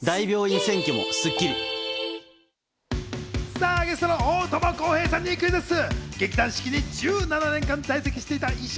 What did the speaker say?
さぁゲストの大友康平さんにクイズッス！